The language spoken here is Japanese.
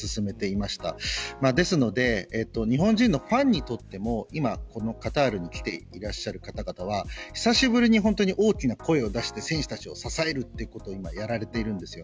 日本人のファンにとってもカタールに来ている方々は久しぶりに大きな声を出して選手たちを支えるということをやられています。